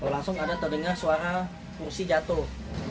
langsung ada terdengar suara kursi jatuh